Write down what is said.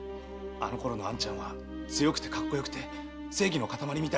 あのころの兄ちゃんは強くてかっこよくて正義の固まりみたいな人だった。